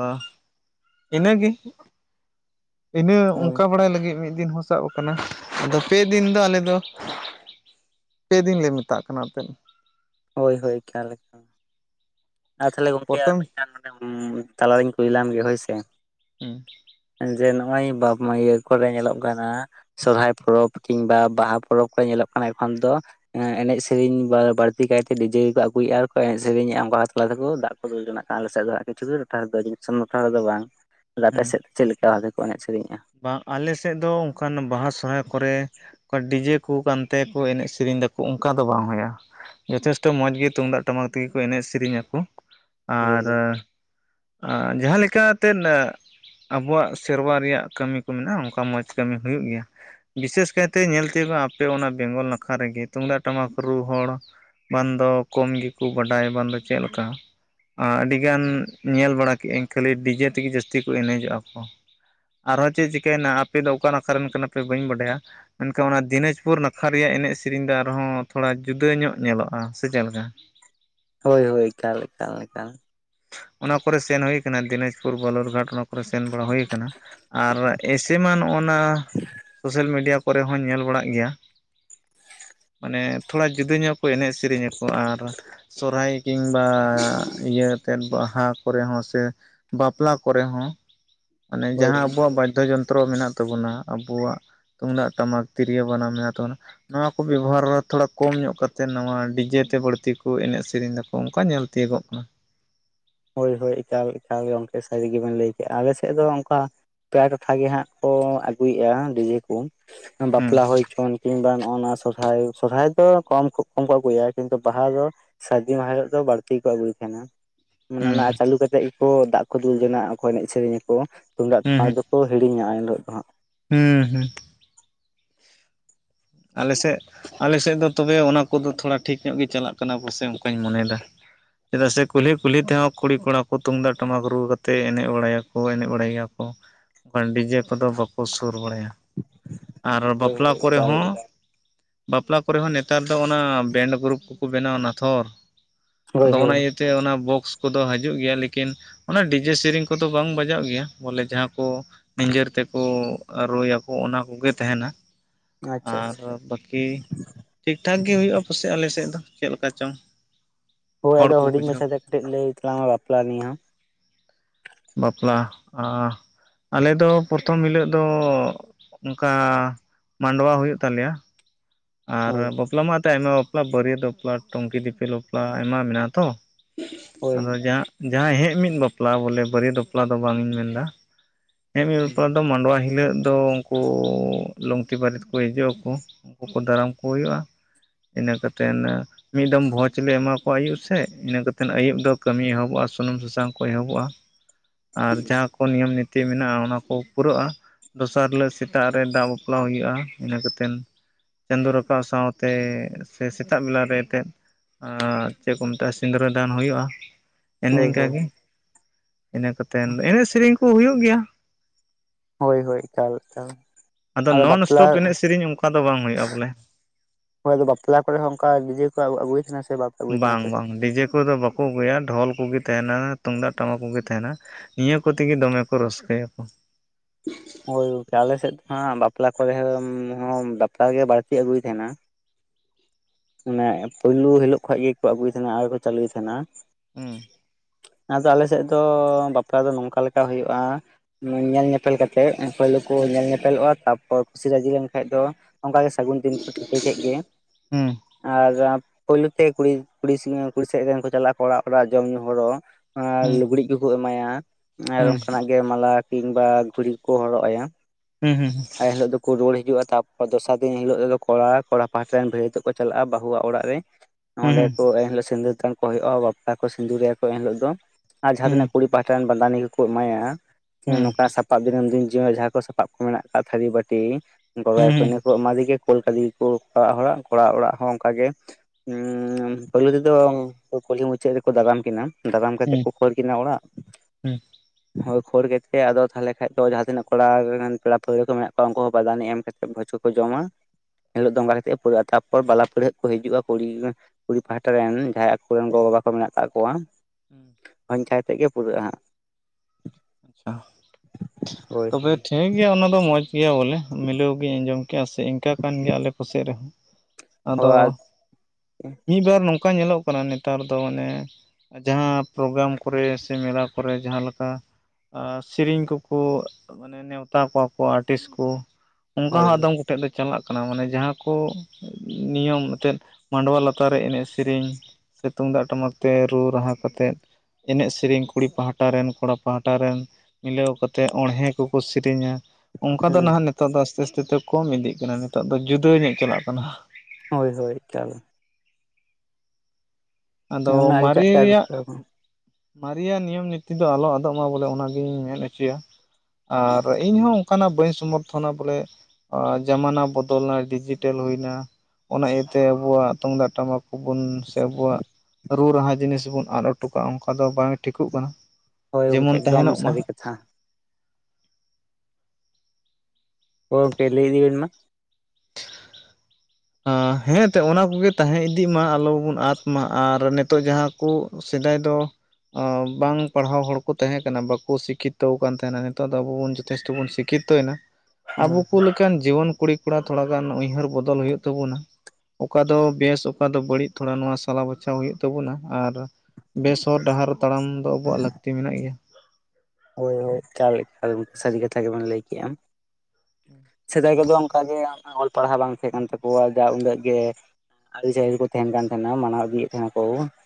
ᱤᱱᱟᱹᱜᱮ, ᱤᱱᱟᱹ ᱦᱳᱭ ᱚᱱᱠᱟ ᱵᱟᱲᱟᱭ ᱞᱟᱹᱜᱤᱫ ᱢᱤᱫ ᱫᱤᱱ ᱦᱚᱸ ᱥᱟᱵ ᱟᱠᱟᱱᱟ ᱟᱫᱚ ᱯᱮᱫᱤᱱ ᱫᱚ ᱟᱞᱮ ᱫᱚ, ᱯᱮᱫᱤᱱ ᱞᱮ ᱢᱮᱛᱟᱜ ᱠᱟᱱᱟ ᱮᱱᱛᱮᱫ᱾ ᱦᱳᱭ ᱦᱳᱭ ᱮᱠᱟᱞ ᱮᱠᱟᱞ ᱟ ᱛᱷᱟᱞᱮ ᱜᱚᱝᱠᱮ ᱟᱨ ᱯᱨᱚᱛᱷᱚᱢ ᱢᱤᱜᱴᱟᱱ ᱱᱚᱰᱮ ᱩᱸ ᱛᱟᱞᱟᱨᱤᱧ ᱠᱩᱞᱤ ᱞᱟᱢᱜᱮ ᱦᱳᱭ ᱥᱮ᱾ ᱦᱩᱸ᱾ ᱡᱮ ᱱᱚᱜᱼ-ᱚᱭ ᱵᱟᱯ ᱢᱟ ᱤᱭᱟᱹ ᱠᱚᱨᱮ ᱧᱮᱞᱚᱜ ᱠᱟᱱᱟ᱾ ᱥᱚᱦᱚᱨᱟᱭ ᱯᱚᱨᱚᱵᱽ ᱠᱤᱝᱵᱟ ᱵᱟᱦᱟ ᱯᱚᱨᱚᱵᱽ ᱠᱚᱨᱮ ᱧᱮᱞᱚᱜ ᱠᱟᱱᱟ ᱮᱠᱷᱚᱱ ᱫᱚ ᱮᱸ ᱮᱱᱮᱡ ᱥᱮᱨᱮᱧ ᱵᱟ-ᱵᱟᱹᱲ ᱛᱤ ᱠᱟᱭᱮᱛ ᱰᱤᱡᱮ ᱜᱮᱠᱚ ᱟᱜᱩᱭᱮᱜᱼᱟ ᱟᱨ ᱠᱚ ᱮᱱᱮᱡ ᱥᱮᱨᱮᱧᱮ-ᱟ ᱚᱝᱠᱟ ᱛᱟᱞᱟ ᱛᱮᱠᱚ ᱫᱟᱜ ᱠᱩ ᱫᱩᱞ ᱡᱚᱱᱟᱜ ᱠᱟᱱᱟ ᱟᱞᱮ ᱥᱮᱫ ᱫᱚ ᱦᱟᱜ ᱠᱤᱪᱷᱩ [unintelligible] ᱨᱮᱫᱚ ᱵᱟᱝ, ᱟᱯᱮ ᱦᱮᱸ ᱥᱮᱫ ᱪᱮᱜ ᱞᱮᱠᱟ ᱵᱷᱟᱜᱮ ᱠᱚ ᱮᱱᱮᱡ ᱥᱮᱨᱮᱧᱮᱜᱼᱟ ᱵᱟᱝ ᱟᱞᱮ ᱥᱮᱜ ᱫᱚ ᱚᱱᱠᱟᱱ ᱵᱟᱦᱟ ᱥᱚᱦᱟᱭ ᱠᱚᱨᱮ ᱠᱟ ᱰᱤᱡᱮ ᱠᱩ ᱠᱟᱱ ᱛᱮ ᱠᱚ ᱮᱱᱮᱡ ᱥᱮᱨᱮᱱ ᱫᱟᱹᱠᱩ ᱚᱝᱠᱟ ᱫᱚ ᱵᱟᱝ ᱦᱩᱭᱩᱜ-ᱟ᱾ ᱡᱚᱛᱷᱮᱥᱴᱚ ᱢᱚᱸᱡᱽ ᱜᱮ ᱛᱩᱢᱫᱟᱜ ᱴᱟᱢᱟᱠ ᱛᱮᱜᱤ ᱠᱚ ᱮᱱᱮᱡ ᱥᱮᱨᱮᱧ ᱟᱠᱩ᱾ ᱦᱳᱭ ᱟᱨ ᱟᱸ ᱡᱟᱦᱟᱸ ᱞᱮᱠᱟ ᱛᱮᱫ ᱟᱸ ᱟᱵᱚᱣᱟᱜ ᱥᱮᱨᱣᱟ ᱨᱮᱭᱟᱜ ᱠᱟᱹᱢᱤ ᱠᱚ ᱢᱮᱱᱟᱜ-ᱟ ᱚᱝᱠᱟ ᱢᱚᱸᱡᱽ ᱠᱟᱹᱢᱤ ᱦᱩᱭᱩᱜ ᱜᱮᱭᱟ᱾ ᱵᱤᱥᱮᱥ ᱠᱟᱭᱛᱮ ᱧᱮᱞ ᱛᱤᱭᱳᱜᱚᱼᱟ ᱟᱯᱮ ᱚᱱᱟ ᱵᱮᱝᱜᱚᱞ ᱱᱟᱠᱷᱟ ᱨᱮᱜᱮ ᱛᱩᱢᱫᱟᱜ ᱴᱟᱢᱟᱠ ᱨᱩ ᱦᱚᱲ᱾ ᱵᱟᱱ ᱫᱚ ᱠᱚᱢ ᱜᱮᱠᱩ ᱵᱟᱰᱟᱭᱟ ᱵᱟᱝ ᱫᱚ ᱪᱮᱜ ᱞᱮᱠᱟ᱾ ᱟᱸ ᱟᱹᱰᱤᱜᱟᱱ ᱧᱮᱞ ᱵᱟᱲᱟ ᱠᱮᱜᱼᱟᱹᱧ ᱠᱷᱟᱹᱞᱤ ᱰᱤᱡᱮ ᱛᱮᱜᱮ ᱡᱟᱹᱥᱛᱤ ᱠᱚ ᱮᱱᱮᱡᱚᱜᱼᱟ ᱠᱚ᱾ ᱟᱨᱦᱚᱸ ᱪᱮᱜ ᱪᱤᱠᱟᱹᱭ ᱱᱟ ᱟᱯᱮ ᱫᱚ ᱚᱠᱟ ᱱᱟᱠᱷᱟ ᱨᱮᱱ ᱠᱟᱱᱟᱯᱮ ᱵᱟᱹᱧ ᱵᱟᱰᱟᱭᱟ᱾ ᱢᱮᱱᱠᱷᱟ ᱚᱱᱟ ᱫᱤᱱᱟᱡᱽᱯᱩᱨ ᱱᱟᱠᱷᱟ ᱨᱮᱭᱟᱜ ᱮᱱᱮᱡ ᱥᱮᱨᱮᱧ ᱫᱚ ᱟᱨᱦᱚᱸ ᱛᱷᱚᱲᱟ ᱡᱩᱫᱟᱹ ᱧᱚᱜ ᱧᱮᱞᱚᱜᱼᱟ, ᱥᱮ ᱪᱮᱞᱠᱟ? ᱦᱳᱭ-ᱦᱳᱭ, ᱮᱠᱟᱞ, ᱮᱠᱟᱞ, ᱮᱠᱟᱞ᱾ ᱚᱱᱟ ᱠᱚᱨᱮ ᱥᱮᱱ ᱦᱩᱭ ᱠᱟᱱᱟ ᱫᱤᱱᱟᱡᱽᱯᱩᱨ, ᱵᱟᱞᱚᱨᱜᱷᱟᱴ ᱚᱱᱟ᱾ ᱠᱚᱨᱮ ᱥᱮᱱ ᱵᱟᱲᱟ ᱦᱳᱭ ᱠᱟᱱᱟ ᱟᱨ ᱮᱭᱥᱮᱢᱟ ᱱᱚᱜᱼᱚᱱᱟ ᱥᱳᱥᱟᱞ ᱢᱤᱰᱤᱭᱟ ᱠᱚᱨᱮ ᱦᱚᱸᱧ ᱧᱮᱞ ᱵᱟᱲᱟᱜ ᱜᱮᱭᱟ᱾ ᱢᱟᱱᱮ ᱛᱷᱚᱲᱟ ᱡᱩᱫᱟᱹ ᱧᱚᱜ ᱠᱚ ᱮᱱᱮᱡ ᱥᱮᱨᱮᱧ ᱟᱠᱚ, ᱟᱨ ᱥᱚᱨᱦᱟᱭ ᱠᱤᱢᱵᱟ ᱤᱭᱟᱹ ᱛᱮᱫ ᱵᱟᱦᱟ ᱠᱚᱨᱮ ᱦᱚᱸ ᱥᱮ ᱵᱟᱯᱞᱟ ᱠᱚᱨᱮ ᱦᱚᱸ ᱚᱱᱮ ᱦᱳᱭ ᱡᱟᱦᱟᱸ ᱟᱵᱚᱣᱟᱜ ᱵᱟᱫᱽᱫᱷᱚ ᱡᱚᱱᱛᱨᱚ ᱢᱮᱱᱟᱜ ᱛᱟᱵᱚᱱᱟ ᱟᱵᱚᱣᱟᱜ᱾ ᱛᱩᱢᱫᱟᱜ, ᱴᱟᱢᱟᱠ, ᱛᱤᱨᱭᱚ, ᱵᱟᱱᱟᱢ ᱢᱮᱱᱟᱜ ᱛᱟᱵᱚᱱᱟ᱾ ᱱᱚᱣᱟ ᱠᱚ ᱵᱮᱵᱚᱦᱟᱨ ᱛᱷᱚᱲᱟ ᱠᱚᱢ ᱧᱚᱜ ᱠᱟᱛᱮ ᱱᱚᱣᱟ ᱰᱤᱡᱮ ᱛᱮ ᱵᱟᱹᱲᱛᱤ ᱠᱚ ᱮᱱᱮᱡ ᱥᱮᱨᱮᱧ ᱫᱟᱠᱚ, ᱚᱝᱠᱟ ᱧᱮᱞ ᱛᱤᱭᱳᱜᱚᱜ ᱠᱟᱱᱟ᱾ ᱦᱳᱭ ᱦᱳᱭ ᱮᱠᱟᱞ ᱮᱠᱟᱞ ᱜᱮ ᱜᱚᱝᱠᱮ ᱥᱟᱹᱨᱤ ᱜᱮ ᱵᱮᱱ ᱞᱟᱹᱭ ᱠᱮ ᱟᱞᱮ ᱥᱮᱜ ᱫᱚ ᱚᱝᱠᱟ [unintelligible] ᱴᱚᱴᱷᱟ ᱜᱮ ᱦᱟᱸᱜ ᱠᱚ ᱟᱹᱜᱩᱭᱮᱜᱼᱟ ᱰᱤᱡᱮ ᱠᱩ, ᱦᱩᱸ ᱵᱟᱯᱞᱟ ᱦᱳᱭ ᱪᱚᱝ ᱠᱤᱝᱵᱟ ᱱᱚᱼᱚ ᱱᱟ ᱥᱚᱨᱦᱟᱭ ᱥᱚᱨᱦᱟᱭ ᱫᱚ ᱠᱚᱢ ᱠᱩ ᱠᱚᱢ ᱠᱚ ᱟᱹᱜᱩᱭᱟ ᱠᱤᱱᱛᱩ ᱵᱟᱦᱟ ᱫᱚ ᱥᱟᱛᱫᱤ ᱢᱟᱦᱟᱸ ᱦᱤᱦᱚᱜ ᱫᱚ ᱵᱟᱹᱲᱛᱤ ᱠᱚ ᱟᱹᱜᱩᱭ ᱛᱟᱦᱮᱸᱱᱟ᱾ ᱢᱟᱱᱮ ᱦᱩᱸ ᱚᱱᱟ ᱪᱟᱹᱞᱩ ᱠᱟᱛᱮᱜ ᱜᱮᱠᱚ ᱫᱟᱜ ᱠᱚ ᱫᱩᱞ ᱡᱚᱱᱟᱜ ᱟᱠᱚ, ᱮᱱᱮᱡ ᱥᱮᱨᱮᱧ ᱟᱠᱚ, ᱛᱩᱝᱫᱟᱜ ᱦᱩᱸ ᱴᱟᱢᱟᱠ ᱦᱩᱸ ᱫᱚ ᱠᱚ ᱦᱤᱲᱤᱧᱟ ᱮᱱ ᱦᱤᱞᱚᱜ ᱫᱚ ᱦᱟᱸᱜ᱾ ᱦᱩᱸ, ᱦᱩᱸ᱾ ᱟᱞᱮ ᱥᱮᱜ ᱟᱞᱮ ᱥᱮᱜ ᱫᱚ ᱛᱚᱵᱮ ᱚᱱᱟ ᱠᱚᱫᱚ ᱛᱷᱚᱲᱟ ᱴᱷᱤᱠ ᱧᱚᱜ ᱜᱮ ᱪᱟᱞᱟᱜ ᱠᱟᱱᱟ ᱯᱟᱥᱮᱜ ᱚᱱᱠᱟᱧ ᱢᱚᱱᱮ ᱮᱫᱟ᱾ ᱪᱮᱫᱟᱜ ᱥᱮ ᱠᱩᱞᱦᱤᱼᱠᱩᱞᱦᱤ ᱛᱮᱦᱚᱸ ᱠᱩᱲᱤᱼᱠᱚᱲᱟ ᱠᱚ ᱛᱩᱢᱫᱟᱜ ᱴᱟᱢᱟᱠ ᱨᱩ ᱠᱟᱛᱮᱜ ᱮᱱᱮᱡ ᱵᱟᱲᱟᱭ ᱟᱠᱚ ᱮᱱᱮᱡ ᱵᱟᱲᱟᱭ ᱜᱮᱭᱟ ᱠᱚ᱾ ᱵᱟᱝ ᱰᱤᱡᱮ ᱠᱚᱫᱚ ᱵᱟᱠᱚ ᱥᱩᱨ ᱵᱟᱲᱟᱭᱟ, ᱟᱨ ᱦᱳᱭ ᱵᱟᱯᱞᱟ ᱦᱳᱭ ᱠᱚᱨᱮ ᱮᱠᱟᱞ ᱦᱚᱸ᱾ ᱵᱟᱯᱞᱟ ᱠᱚᱨᱮ ᱦᱚᱸ ᱱᱮᱛᱟᱨ ᱫᱚ ᱚᱱᱟ ᱵᱮᱱᱰ ᱜᱨᱩᱯ ᱠᱚᱠᱚ ᱵᱮᱱᱟᱣᱱᱟ ᱛᱷᱚᱨ ᱦᱳᱭ ᱟᱫᱚ ᱚᱱᱟ ᱦᱳᱭ ᱤ ᱛᱮ ᱚᱱᱟ ᱵᱚᱠᱥ ᱠᱚᱫᱚ ᱦᱟᱡᱩᱜ ᱜᱮᱭᱟ ᱞᱮᱠᱤᱱ ᱚᱱᱟ ᱰᱤᱡᱮ ᱥᱮᱨᱮᱧ ᱠᱚᱫᱚ ᱵᱟᱝ ᱵᱟᱡᱟᱜ ᱜᱮᱭᱟ ᱵᱚᱞᱮ ᱡᱟᱦᱟᱸ ᱠᱚ ᱱᱤᱡᱮᱨ ᱛᱮᱠᱚ ᱨᱩᱭ ᱟᱠᱚ ᱚᱱᱟ ᱠᱚᱜᱮ ᱛᱟᱦᱮᱸᱱᱟ᱾ ᱟᱪᱪᱷᱟ ᱟᱨ ᱟᱪᱪᱷᱟ ᱵᱟᱹᱠᱤ ᱴᱷᱤᱠᱼᱴᱷᱟᱠ ᱜᱮ ᱦᱩᱭᱩᱜᱼᱟ ᱯᱟᱥᱮ ᱟᱞᱮ ᱥᱮᱫ ᱫᱚ, ᱪᱮᱫ ᱞᱮᱠᱟ ᱪᱚᱝ᱾ ᱦᱳᱭ ᱦᱚᱲ ᱟᱫᱚ ᱠᱚ ᱦᱩᱰᱤᱧ ᱵᱩᱡᱷᱟᱹᱣ ᱢᱟᱪᱷᱟ ᱛᱮ ᱠᱟᱹᱴᱤᱡ ᱞᱟᱹᱭ ᱛᱟᱞᱟᱝ ᱢᱮ ᱵᱟᱯᱞᱟ ᱱᱤᱭᱟᱹ ᱦᱚᱸ᱾ ᱵᱟᱯᱞᱟ ᱟᱸ ᱟᱞᱮ ᱫᱚ ᱯᱨᱚᱛᱷᱚᱢ ᱦᱤᱞᱚᱜ ᱫᱚ ᱚᱱᱠᱟ ᱢᱟᱰᱣᱟ ᱦᱩᱭᱩᱜ ᱛᱟᱞᱮᱭᱟ᱾ ᱟᱨ ᱦᱳᱭ ᱵᱟᱯᱞᱟ ᱢᱟ ᱟᱛᱮ ᱟᱭᱢᱟ ᱵᱟᱯᱞᱟ ᱵᱟᱹᱨᱭᱟᱹᱛ ᱵᱟᱯᱞᱟ, ᱴᱩᱝᱠᱤ ᱫᱤᱯᱤᱞ ᱵᱟᱯᱞᱟ ᱟᱭᱢᱟ ᱢᱮᱱᱟᱜᱼᱟ ᱛᱚ᱾ ᱦᱳᱭ ᱟᱫᱚ ᱡᱟᱸ ᱡᱟᱦᱟᱸ ᱦᱮᱜ ᱢᱤᱫ ᱵᱟᱯᱞᱟ ᱵᱚᱞᱮ ᱵᱟᱹᱨᱭᱟᱹᱛ ᱵᱟᱯᱞᱟ ᱫᱚ ᱵᱟᱞᱤᱧ ᱢᱮᱱᱮᱫᱟ᱾ ᱦᱮᱸ ᱢᱤ ᱵᱟᱯᱞᱟ ᱫᱚ ᱢᱟᱸᱰᱣᱟ ᱦᱤᱞᱟᱹᱜ ᱫᱚ ᱩᱱᱠᱩ ᱞᱩᱝᱛᱤ ᱵᱟᱨᱮᱛ ᱠᱚ ᱦᱤᱡᱩᱜ ᱟᱠᱩ᱾ ᱩᱠᱩ ᱫᱟᱨᱟᱢ ᱠᱩ ᱦᱩᱭᱩᱜᱼᱟ ᱤᱱᱟᱹ ᱠᱟᱛᱮᱱ ᱟᱸ ᱢᱤᱜ ᱫᱚᱢ ᱵᱷᱚᱡᱽ ᱞᱮ ᱮᱢᱟ ᱠᱚᱣᱟ ᱟᱭᱩᱵ ᱥᱮᱜ ᱤᱱᱟᱹ ᱠᱟᱛᱮᱱ ᱟᱭᱩᱵ ᱫᱚ ᱠᱟᱹᱢᱤ ᱮᱦᱚᱵᱚᱜᱼᱟ ᱥᱩᱱᱩᱢ ᱥᱟᱥᱟᱝ ᱠᱚ ᱮᱦᱚᱵᱚᱜᱼᱟ᱾ ᱟᱨ ᱡᱟᱦᱟᱸ ᱠᱚ ᱱᱤᱭᱚᱢ ᱱᱤᱛᱤ ᱢᱮᱱᱟᱜᱼᱟ ᱚᱱᱟ ᱠᱚ ᱯᱩᱨᱟᱹᱜᱼᱟ᱾ ᱫᱚᱥᱟᱨ ᱦᱤᱞᱟᱹᱜ ᱥᱮᱛᱟᱜ ᱨᱮ ᱫᱟᱜ ᱵᱟᱯᱞᱟ ᱦᱩᱭᱩᱜᱼᱟ, ᱤᱱᱟᱹ ᱠᱟᱛᱮᱱ ᱪᱟᱸᱫᱳ ᱨᱟᱠᱟᱵ ᱥᱟᱶᱛᱮ ᱥᱮ ᱥᱮᱛᱟᱜ ᱵᱮᱞᱟᱨᱮ ᱮᱛᱮᱫ᱾ ᱟᱸ ᱪᱮᱜᱠᱚ ᱢᱮᱛᱟᱜᱼᱟ ᱥᱤᱸᱫᱽᱨᱟᱹᱫᱷᱟᱱ ᱦᱩᱭᱩᱜᱼᱟ᱾ ᱤᱱᱮ ᱦᱳᱭ ᱤᱝᱠᱟ ᱦᱳᱭ ᱜᱮ ᱤᱱᱟᱹ ᱠᱟᱛᱮᱱ ᱮᱱᱮᱡ ᱥᱮᱨᱮᱧ ᱠᱚ ᱦᱩᱭᱩᱜ ᱜᱮᱭᱟ᱾ ᱦᱳᱭ ᱦᱳᱭ ᱮᱠᱟᱞ ᱮᱠᱟᱞ ᱟᱫᱚ ᱱᱚᱱ ᱥᱴᱚᱯ ᱮᱱᱮᱡ ᱥᱮᱨᱮᱧ ᱚᱝᱠᱟ ᱫᱚ ᱵᱟᱝ ᱦᱩᱭᱩᱜᱼᱟ᱾ ᱵᱚᱞᱮ ᱦᱳᱭ ᱫᱚ ᱵᱟᱯᱞᱟ ᱠᱚᱨᱮ ᱦᱚᱸ ᱚᱝᱠᱟ ᱰᱤᱡᱮ ᱠᱚ ᱟᱹᱜᱩᱭ ᱛᱟᱦᱮᱸᱱᱟ ᱥᱮ ᱵᱟᱯᱮ ᱟᱹᱜᱩᱭᱮᱫ ᱛᱟᱦᱮᱸᱱᱟ ᱵᱟᱝ ᱟᱯᱮ ᱥᱮᱫ? ᱵᱟᱝ ᱰᱤᱡᱮ ᱠᱚᱫᱚ ᱵᱟ ᱠᱚ ᱟᱹᱜᱩᱭᱟ ᱰᱷᱚᱞ ᱠᱚᱜᱮ ᱛᱟᱦᱮᱸᱱᱟ, ᱛᱩᱢᱫᱟᱜ ᱴᱟᱢᱟᱠ ᱠᱚᱜᱮ ᱛᱟᱦᱮᱸᱱᱟ᱾ ᱱᱤᱭᱟᱹ ᱠᱚᱛᱮ ᱜᱮ ᱫᱚᱢᱮ ᱠᱚ ᱨᱟᱹᱥᱠᱟᱹᱭᱟᱠᱚ᱾ [inaudible] ᱦᱳᱭ ᱜᱚᱝᱠᱮ ᱟᱞᱮ ᱥᱮᱫ ᱫᱚ ᱦᱟᱸᱜ ᱵᱟᱯᱞᱟ ᱠᱚᱨᱮ ᱦᱚᱸ ᱵᱟᱯᱞᱟ ᱜᱮ ᱵᱟᱹᱲᱛᱤ ᱟᱹᱜᱩᱭ ᱛᱟᱦᱮᱸᱱᱟ᱾ ᱢᱟᱱᱮ ᱯᱳᱭᱞᱩ ᱦᱤᱞᱳᱜ ᱠᱷᱚᱡ ᱜᱮᱠᱚ ᱟᱹᱜᱩᱭ ᱛᱟᱦᱮᱱᱟ, ᱟᱨ ᱠᱚ ᱪᱟᱹᱞᱩᱭ ᱛᱟᱦᱮᱱᱟ᱾ ᱦᱩᱸ ᱟᱫᱚ ᱟᱞᱮ ᱥᱮᱫ ᱫᱚ ᱵᱟᱯᱞᱟ ᱫᱚ ᱱᱚᱝᱠᱟ ᱞᱮᱠᱟ ᱦᱩᱭᱩᱜᱼᱟ ᱧᱮᱞ ᱧᱮᱯ ᱯᱮᱞ ᱠᱟᱛᱮᱜ ᱯᱩᱭᱞᱳ ᱠᱚ ᱦᱩᱸ ᱧᱮᱞᱼᱧᱮᱯᱮᱞᱚᱜᱼᱟ ᱛᱟᱯᱚᱨ ᱠᱩᱥᱤ ᱨᱟᱹᱡᱤ ᱞᱮᱱᱠᱷᱟᱡ ᱫᱚ ᱚᱝᱠᱟ ᱜᱮ ᱥᱟᱹᱜᱩᱱ ᱫᱤᱱ ᱠᱚ ᱴᱷᱤᱠᱟᱹ ᱠᱮᱜ ᱜᱮ᱾ ᱦᱩᱸ ᱟᱨ ᱯᱳᱭᱞᱳ ᱛᱮ ᱠᱩᱲᱤ ᱠᱩᱲᱤ ᱠᱩᱲᱤ ᱥᱮᱫ ᱨᱮᱱ ᱠᱚ ᱪᱟᱞᱟᱜᱼᱟ ᱠᱚ ᱚᱲᱟᱜ ᱚᱲᱟᱜ ᱡᱚᱢ ᱧᱩ ᱦᱚᱨᱚ᱾ ᱟᱨ ᱦᱩᱸ ᱞᱩᱜᱽᱲᱤᱡ ᱠᱚᱠᱚ ᱮᱢᱟᱭᱟ ᱟᱨ ᱚᱝᱠᱟ ᱱᱟᱜ ᱜᱮ ᱢᱟᱞᱟ ᱠᱤᱢᱵᱟ ᱜᱷᱩᱲᱤ ᱠᱚᱠᱚ ᱦᱚᱨᱚᱜ ᱟᱭᱟ᱾ ᱦᱩᱸ ᱦᱩᱸ ᱦᱩᱸ ᱟᱨ ᱮᱱᱦᱤᱞᱳᱜ ᱫᱚᱠᱚ ᱨᱩᱣᱟᱹᱲ ᱦᱤᱡᱩᱜᱼᱟ, ᱛᱟᱯᱚᱨ ᱫᱚᱥᱟᱨ ᱫᱤᱱ ᱦᱤᱞᱳᱜ ᱫᱚᱠᱚ ᱠᱚᱲᱟ ᱠᱚᱲᱟ ᱯᱟᱦᱴᱟ ᱨᱮᱱ ᱵᱷᱤᱲᱟᱹᱛᱚᱜ ᱠᱚ ᱪᱟᱞᱟᱜᱼᱟ ᱵᱟᱹᱦᱩᱣᱟᱜ ᱚᱲᱟᱜ ᱨᱮ ᱚᱸᱰᱮ ᱦᱩᱸ ᱠᱚ ᱮᱱ ᱦᱤᱞᱳᱜ ᱥᱤᱸᱫᱨᱟᱹᱫᱟᱱ ᱠᱚ ᱦᱩᱭᱩᱜᱼᱟ, ᱵᱟᱯᱞᱟ ᱠᱚ ᱥᱤᱸᱫᱩᱨ ᱟᱭᱟ ᱠᱚ ᱮᱱ ᱦᱤᱞᱳᱜ ᱫᱚ ᱟᱨ ᱡᱟᱦᱟᱸ ᱦᱩᱸ ᱛᱤᱱᱟᱹᱜ ᱠᱩᱲᱤ ᱯᱟᱦᱟᱴᱟ ᱨᱮᱱ ᱵᱟᱸᱫᱟᱱᱤ ᱠᱚᱠᱚ ᱮᱢᱟᱭᱟ ᱦᱩᱸ ᱱᱚᱝᱠᱟ ᱥᱟᱯᱟᱵ ᱫᱤᱱᱟᱹᱢ ᱫᱤᱱ ᱡᱤᱶᱚ ᱡᱟᱦᱟᱸ ᱠᱚ ᱥᱟᱯᱟᱵ ᱠᱚ ᱢᱮᱱᱟᱜ ᱠᱟᱜ ᱛᱷᱟᱹᱨᱤ ᱵᱟᱹᱴᱤ ᱦᱩᱸ [unintelligible] ᱠᱚ ᱮᱢᱟᱫᱮᱜᱮ ᱠᱳᱞ ᱠᱟᱫᱮ ᱠᱚ ᱚᱲᱟᱜ ᱦᱚᱲᱟᱜ ᱠᱚᱲᱟᱜ ᱚᱲᱟᱜ ᱦᱚᱸ ᱚᱝᱠᱟ ᱜᱮ ᱩᱸ ᱯᱩᱭᱞᱩ ᱛᱮᱫᱚ ᱠᱩᱞᱦᱤ ᱢᱩᱪᱟᱹᱫ ᱨᱮᱠᱚ ᱫᱟᱨᱟᱢ ᱠᱤᱱᱟ᱾ ᱫᱟᱨᱟᱢ ᱦᱩᱸ ᱠᱟᱛᱮᱜ ᱠᱚ ᱠᱷᱟᱹᱲ ᱠᱤᱱᱟ ᱚᱲᱟᱜ᱾ ᱦᱩᱸ ᱦᱳᱭ ᱠᱷᱟᱹᱲ ᱠᱟᱛᱮᱜ ᱟᱫᱚ ᱛᱟᱦᱞᱮ ᱠᱷᱟᱡ ᱫᱚ ᱡᱟᱦᱟᱸ ᱛᱤᱱᱟᱹᱜ ᱠᱚᱲᱟ ᱨᱮᱱ ᱯᱮᱲᱟ ᱯᱟᱹᱲᱦᱟᱹ ᱠᱚ ᱢᱮᱱᱟᱜ ᱠᱚᱣᱟ ᱩᱝᱠᱩ ᱦᱚᱸ ᱵᱟᱫᱟᱱᱤ ᱮᱢ ᱠᱟᱛᱮ ᱵᱷᱚᱡ ᱠᱚᱠᱚ ᱡᱚᱢᱟ ᱮᱱ ᱦᱤᱞᱳᱜ ᱫᱚ ᱠᱟᱴᱤᱜ ᱠᱟᱛᱮ ᱯᱩᱨᱟᱹᱜᱼᱟ ᱛᱟᱨᱯ ᱯᱚᱨ ᱵᱟᱞᱟ ᱯᱟᱹᱲᱦᱟᱹ ᱠᱚ ᱦᱤᱡᱩᱜᱼᱟ, ᱠᱩᱲᱤ ᱠᱩᱲᱤ ᱯᱟᱦᱴᱟ ᱨᱮᱱ ᱡᱟᱦᱟᱸᱭ ᱟᱠᱚᱨᱮᱱ ᱜᱚ-ᱵᱟᱵᱟ ᱠᱚ ᱢᱮᱱᱟᱜ ᱠᱟᱜ ᱠᱚᱣᱟ᱾ ᱦᱩᱸ ᱚᱝᱠᱟ ᱠᱟᱛᱮ ᱜᱮ ᱯᱩᱨᱟᱹᱜᱼᱟ ᱦᱟᱸᱜ᱾ ᱟᱪᱪᱷᱟ ᱦᱳᱭ ᱛᱚᱵᱮ ᱦᱳᱭ ᱴᱷᱤᱠ ᱜᱮᱭᱟ ᱚᱱᱟ ᱫᱚ ᱢᱚᱸᱡᱽ ᱜᱮᱭᱟ ᱵᱚᱞᱮ, ᱢᱤᱞᱟᱹᱣ ᱜᱤᱧ ᱟᱸᱡᱚᱢ ᱠᱮᱜᱼᱟ ᱥᱮ ᱤᱝᱠᱟᱹ ᱠᱟᱱ ᱜᱮᱭᱟ ᱟᱞᱮ ᱠᱚ ᱥᱮᱜ ᱨᱮᱦᱚᱸ ᱟᱫᱚ ᱢᱤᱜᱵᱟᱨ ᱱᱚᱝᱠᱟ ᱧᱮᱞᱚᱜ ᱠᱟᱱᱟ ᱱᱮᱛᱟᱨ ᱫᱚ ᱢᱟᱱᱮ ᱡᱟᱦᱟᱸ ᱯᱨᱳᱜᱨᱟᱢ ᱠᱚᱨᱮ ᱥᱮ ᱢᱮᱞᱟ ᱠᱚᱨᱮ ᱡᱟᱦᱟᱸ ᱞᱮᱠᱟ ᱟ ᱥᱤᱨᱤᱧ ᱠᱚᱠᱚ ᱢᱟᱱᱮ ᱱᱮᱣᱛᱟ ᱠᱚᱣᱟ ᱠᱚ ᱟᱨᱴᱤᱥ ᱠᱚ ᱚᱝᱠᱟ ᱦᱳᱭ ᱦᱳᱭ ᱦᱚᱸ ᱟᱫᱚᱢ ᱠᱚᱴᱷᱮᱜ ᱫᱚ ᱪᱟᱞᱟᱜ ᱠᱟᱱᱟ, ᱢᱟᱱᱮ ᱡᱟᱦᱟᱸ ᱠᱚ ᱱᱤᱭᱚᱢ ᱮᱛᱮᱫ ᱢᱟᱸᱰᱣᱟ ᱞᱟᱛᱟᱨ ᱨᱮ ᱮᱱᱮᱡ ᱥᱮᱨᱮᱧ ᱥᱮ ᱛᱩᱢᱫᱟᱜ ᱴᱟᱢᱟᱠ ᱛᱮ ᱨᱩ ᱨᱟᱦᱟ ᱠᱟᱛᱮᱫ ᱮᱱᱮᱡ ᱥᱮᱨᱮᱧ ᱠᱩᱲᱤ ᱯᱟᱦᱟᱴᱟ ᱨᱮᱱ ᱠᱚᱲᱟ ᱯᱟᱦᱟᱴᱟ ᱨᱮᱱ ᱢᱤᱞᱟᱹᱣ ᱠᱟᱛᱮ ᱚᱬᱦᱮᱸ ᱠᱚᱠᱚ ᱥᱮᱨᱮᱧᱟ ᱚᱝᱠᱟ ᱫᱚ ᱦᱩᱸ ᱱᱟᱦᱟᱜ ᱱᱤ ᱛᱚᱜ ᱫᱚ ᱟᱥᱛᱮᱼᱟᱥᱛᱮ ᱛᱮ ᱠᱚᱢ ᱤᱫᱤᱜ ᱠᱟᱱᱟ, ᱱᱤᱛᱚᱜ ᱫᱚ ᱡᱩᱫᱟᱹ ᱧᱚᱜ ᱪᱟᱞᱟᱜ ᱠᱟᱱᱟ᱾ ᱦᱳᱭ ᱦᱳᱭ ᱮᱠᱟᱞ᱾ ᱟᱫᱚ ᱚᱱᱟ ᱢᱟᱨᱮ ᱟᱹᱰᱤᱴᱟᱜ ᱜᱮ ᱨᱮᱭᱟᱜ ᱟᱹᱨᱩᱯᱷᱮᱨᱟᱣ ᱟᱠᱟᱱᱟ ᱢᱟᱨᱮᱭᱟᱜ ᱱᱤᱭᱚᱢ ᱱᱤᱛᱤ ᱫᱚ ᱟᱞᱚ ᱟᱫᱚᱜ ᱢᱟ ᱵᱚᱞᱮ ᱚᱱᱟᱜᱤᱧ ᱢᱮᱱ ᱚᱪᱚᱭᱟ᱾ ᱟᱨ ᱤᱧ ᱦᱚᱸ ᱚᱝᱠᱟᱱᱟᱜ ᱵᱟᱹᱧ ᱥᱚᱢᱚᱨᱛᱷᱚᱱᱟ ᱵᱚᱞᱮ ᱟ ᱡᱟᱢᱟᱱᱟ ᱵᱚᱫᱚᱞᱱᱟ ᱰᱤᱡᱤᱴᱮᱞ ᱦᱩᱭᱱᱟ᱾ ᱚᱱᱟ ᱤᱭᱟᱹ ᱛᱮ ᱟᱵᱚᱣᱟᱜ ᱛᱩᱢᱫᱟᱜ ᱴᱟᱢᱟᱠ ᱠᱚᱵᱩᱱ ᱥᱮ ᱟᱵᱚᱣᱟᱜ ᱨᱩ ᱨᱟᱦᱟ ᱡᱤᱱᱤᱥ ᱵᱚᱱ ᱟᱫ ᱦᱚᱴᱚ ᱠᱟᱜᱼᱟ ᱚᱱᱠᱟ ᱫᱚ ᱵᱟᱝ ᱴᱷᱤᱠᱚᱜ ᱠᱟᱱᱟ, ᱦᱳᱭ ᱜᱚᱢᱠᱮ ᱡᱮᱢᱚᱱ ᱮᱠᱫᱚᱢ ᱛᱟᱦᱮᱸᱱᱚᱜ ᱢᱟ᱾ [unintelligible] ᱜᱚᱝᱠᱮ ᱞᱟᱹᱭ ᱤᱫᱤ ᱵᱮᱱ ᱢᱟ᱾ ᱦᱮᱸ ᱛᱚ, ᱚᱱᱟ ᱠᱚᱜᱮ ᱛᱟᱦᱮᱸ ᱤᱫᱤᱜ ᱢᱟ ᱟᱞᱚ ᱵᱚᱱ ᱟᱫᱽ ᱢᱟ ᱟᱨ ᱱᱤᱛᱚᱜ ᱡᱟᱦᱟᱸ ᱠᱚ ᱥᱮᱫᱟᱭ ᱫᱚ ᱵᱟᱝ ᱯᱟᱲᱦᱟᱣ ᱦᱚᱲ ᱠᱚ ᱛᱟᱦᱮᱸ ᱠᱟᱱᱟ ᱵᱟᱠᱚ ᱥᱤᱠᱠᱷᱤᱛᱚ ᱠᱟᱱ ᱛᱟᱦᱮᱸᱱᱟ, ᱱᱤᱛᱚᱜ ᱫᱚ ᱟᱵᱚ ᱵᱚᱱ ᱡᱚᱛᱷᱮᱥᱴᱚ ᱵᱚᱱ ᱥᱤᱠ ᱠᱷᱤᱛᱚᱭᱮᱱᱟ᱾ ᱟᱵᱚ ᱦᱳᱭ ᱠᱚ ᱞᱮᱠᱟᱱ ᱡᱩᱭᱟᱱ ᱠᱩᱲᱤ‍ᱼᱠᱚᱲᱟ ᱛᱷᱚᱲᱟ ᱜᱟᱱ ᱩᱭᱦᱟᱹᱨ ᱵᱚᱫᱚᱞ ᱦᱩᱭᱩᱜ ᱛᱟᱵᱚᱱᱟ᱾ ᱚᱠᱟ ᱫᱚ ᱵᱮᱥ ᱚᱠᱟ ᱫᱚ ᱵᱟᱹᱲᱤᱡ ᱛᱷᱚᱲᱟ ᱱᱚᱣᱟ ᱥᱟᱞᱟ ᱵᱟᱪᱷᱟᱣ ᱦᱩᱭᱩᱜ ᱛᱟᱵᱚᱱᱟ ᱟᱨ ᱵᱮᱥ ᱦᱚᱨ ᱰᱟᱦᱟᱨ ᱛᱟᱲᱟᱢ ᱫᱚ ᱟᱵᱚᱣᱟᱜ ᱞᱟᱹᱠᱛᱤ ᱢᱮᱱᱟᱜ ᱜᱮᱭᱟ᱾ ᱦᱳᱭ ᱦᱳᱭ ᱮᱠᱟᱞᱼᱮᱠᱟᱞ, ᱥᱟᱹᱨᱤ ᱠᱟᱛᱷᱟ ᱜᱮᱵᱮᱱ ᱞᱟᱹᱭ ᱠᱮᱜᱼᱟ᱾ ᱥᱮᱫᱟᱭ ᱠᱚᱫᱚ ᱚᱱᱠᱟ ᱜᱮ, ᱚᱞ ᱯᱟᱲᱦᱟᱣ ᱵᱟᱝ ᱛᱟᱦᱮᱸ ᱠᱟᱱ ᱛᱟᱠᱚᱣᱟ ᱡᱟ ᱩᱱᱟᱹᱜ ᱜᱮ ᱟᱹᱨᱤᱼᱪᱟᱹᱞᱤ ᱠᱚ ᱛᱟᱦᱮᱸᱱ ᱠᱟᱱ ᱛᱟᱦᱮᱸᱱᱟ ᱢᱟᱱᱟᱣ ᱤᱫᱤᱭᱮᱫ ᱛᱟᱦᱮᱸᱱᱟ ᱠᱚ᱾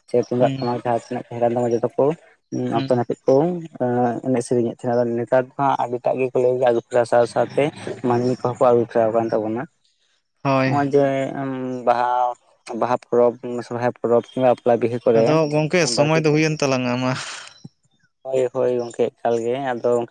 ᱥᱮ ᱛᱩᱢᱫᱟᱜ ᱦᱩᱸ ᱴᱟᱢᱟᱠ ᱡᱟᱦᱟᱸ ᱛᱤᱱᱟᱹᱜ ᱛᱟᱦᱮᱸ ᱠᱟᱱ ᱛᱟᱢᱟ ᱡᱚᱛᱚ ᱠᱚ ᱦᱩᱸ ᱚᱠᱛᱚ ᱱᱟᱹᱯᱤᱛ ᱠᱚ ᱱᱚᱣᱟ ᱮᱱᱮᱡ ᱥᱮᱨᱮᱧ ᱮᱫ ᱛᱟᱦᱮᱸᱱᱟ ᱟᱫᱚ ᱱᱮᱛᱟᱨ ᱫᱚ ᱦᱟᱸᱜ ᱟᱹᱰᱤᱴᱟᱜ ᱜᱮᱠᱚ ᱞᱟᱹᱭ ᱜᱮᱭᱟ [unintelligible] [unintelligible] ᱥᱟᱶ ᱥᱟᱶᱛᱮ ᱢᱟᱹᱱᱢᱤ ᱠᱚᱦᱚᱸ ᱠᱚ ᱟᱹᱨᱩ ᱯᱷᱮᱨᱟᱣ ᱟᱠᱟᱱ ᱛᱟᱵᱚᱱᱟ᱾ ᱦᱳᱭ ᱱᱚᱜ-ᱚᱭ ᱡᱮ ᱵᱟᱦᱟ, ᱵᱟᱦᱟ ᱯᱚᱨᱚᱵᱽ ᱠᱤᱱᱵᱟ ᱥᱚᱨᱦᱟᱭ ᱯᱚᱨᱚᱵ ᱠᱤᱱᱵᱟ ᱵᱟᱯᱞᱟ ᱵᱤᱦᱟᱹ ᱠᱚᱨᱮᱱ ᱟᱫᱚ ᱜᱚᱝᱠᱮ ᱵᱟᱹᱲᱛᱤ ᱥᱚᱢᱚᱭ ᱫᱚ ᱠᱟᱱᱟ᱾ ᱦᱩᱭᱮᱱ ᱛᱟᱞᱟᱝᱟ ᱢᱟ ᱦᱳᱭ ᱦᱳᱭ ᱜᱚᱝᱠᱮ ᱮᱠᱟᱞ ᱜᱮ, ᱟᱫᱚ